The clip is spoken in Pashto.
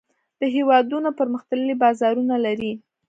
دا هېوادونه پرمختللي بازارونه لري.